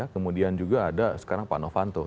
kemudian juga ada sekarang pak novanto